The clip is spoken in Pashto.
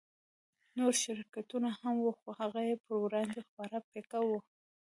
نور شرکتونه هم وو خو هغه يې پر وړاندې خورا پيکه وو.